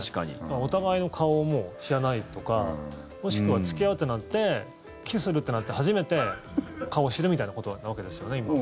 お互いの顔も知らないとかもしくは付き合うってなってキスするってなって初めて顔を知るみたいなことなわけですよね。